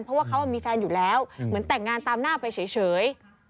เพราะว่าเขามีแฟนอยู่แล้วเหมือนแต่งงานตามหน้าไปเฉย